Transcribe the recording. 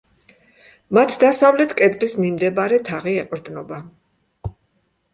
მათ დასავლეთ კედლის მიმდებარე თაღი ეყრდნობა.